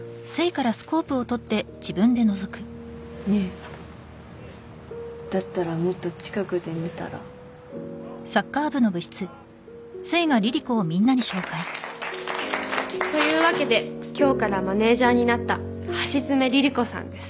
ねえだったらもっと近くで見たら？というわけで今日からマネージャーになった橋爪リリ子さんです